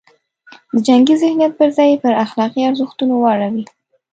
د جنګي ذهنیت پر ځای یې پر اخلاقي ارزښتونو واړوي.